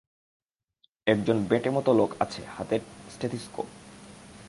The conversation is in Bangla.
এক জন বেঁটেমতো লোক আছে, হাতে ষ্টেথিসকোপ।